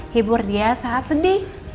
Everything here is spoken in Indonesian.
hibur dia saat sedih